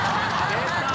出た！